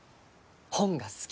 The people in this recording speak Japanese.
本が好き。